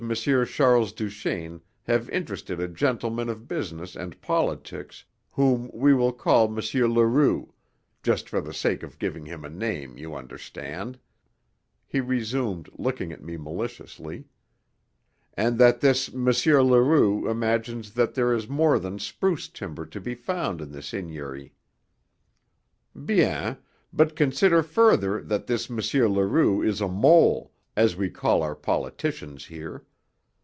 Charles Duchaine have interested a gentleman of business and politics whom we will call M. Leroux just for the sake of giving him a name, you understand," he resumed, looking at me maliciously. "And that this M. Leroux imagines that there is more than spruce timber to be found on the seigniory. Bien, but consider further that this M. Leroux is a mole, as we call our politicians here.